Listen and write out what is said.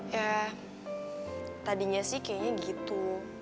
ya tadinya sih kayaknya gitu